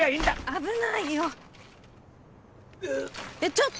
危ないよえっ